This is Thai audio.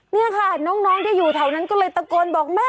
เนี่ยค่ะน้องที่อยู่เท่านั้นก็เลยตะโกน